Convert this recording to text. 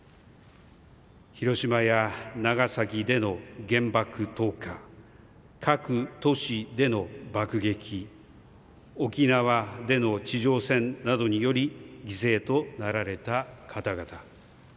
広島や長崎での原爆投下各都市での爆撃沖縄での地上戦などにより犠牲となられた方々。